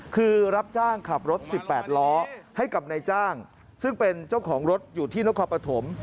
คือรับจ้างขับรถ๑๘ล้อให้กับนายจ้างซึ่งเป็นเจ้าของรถอยู่ที่นครปฐม